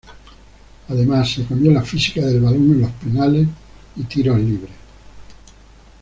Además se cambio la física del balón en los penales y tiros libres.